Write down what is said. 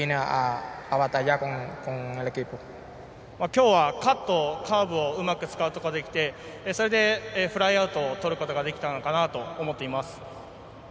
きょうはカット、カーブをうまく使うことができてそれでフライアウトをとることができたのかなと思っています。